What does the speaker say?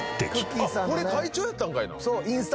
あっこれ会長やったんかいな！